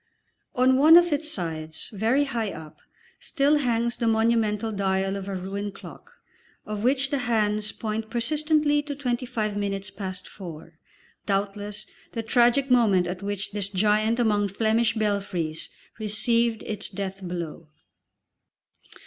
On one of its sides, very high up, still hangs the monumental dial of a ruined clock, of which the hands point persistently to twenty five minutes past four doubtless the tragic moment at which this giant among Flemish belfries received its death blow.